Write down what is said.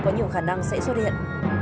có nhiều khả năng sẽ xuất hiện